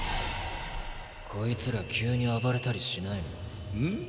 こいつら急に暴れたりしなん？